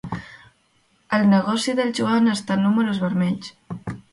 El negoci del Joan està en números vermells.